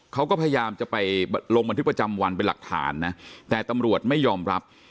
เขาก็พยายามจะไปลงบันทึกประจำวันเป็นหลักฐานนะแต่ตำรวจไม่ยอมรับ